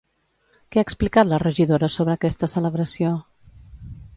Què ha explicat la regidora sobre aquesta celebració?